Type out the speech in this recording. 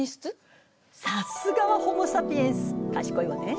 さすがはホモ・サピエンス賢いわね。